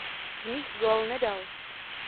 V nich gól nedal.